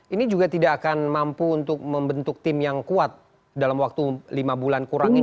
ini juga tidak akan mampu untuk membentuk tim yang kuat dalam waktu lima bulan kurang ini